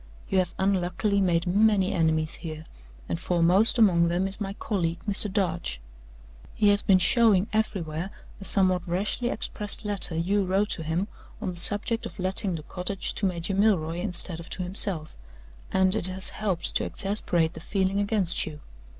You have unluckily made many enemies here, and foremost among them is my colleague, Mr. Darch. He has been showing everywhere a somewhat rashly expressed letter you wrote to him on the subject of letting the cottage to Major Milroy instead of to himself, and it has helped to exasperate the feeling against you.